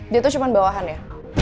dia tuh cuma bawahan ya